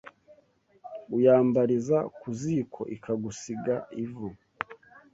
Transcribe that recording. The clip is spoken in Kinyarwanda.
Uyambariza ku ziko ikagusiga ivu